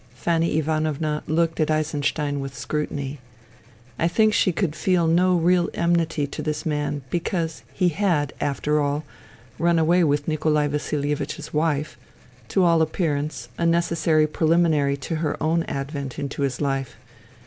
Fanny Ivanovna looked at Eisenstein with scrutiny. I think she could feel no real enmity to this man because he had, after all, run away with Nikolai Vasilievich's wife — to all appearance a necessary prehminary to her own advent into his life.